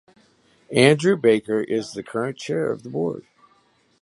Andrew Baker is the current chair of the board.